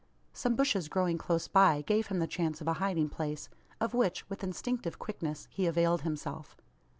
Some bushes growing close by gave him the chance of a hiding place; of which, with instinctive quickness, he availed himself.